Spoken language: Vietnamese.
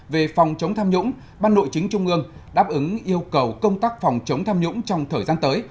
về phòng chống tham nhũng ban nội chính trung ương đáp ứng yêu cầu công tác phòng chống tham nhũng trong thời gian tới